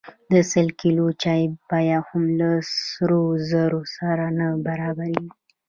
د سل کیلو چای بیه هم له سرو زرو سره نه برابریږي.